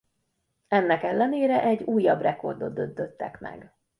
Ennek ellenére egy újabb rekordot döntöttek meg.